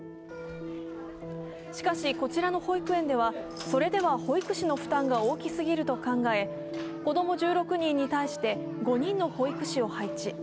しかし、こちらの保育園ではそれでは保育士の負担が大きすぎると考え子供１６人に対して５人の保育士を配置。